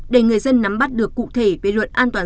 để người dân nắm bắt được cụ thể về luật an toàn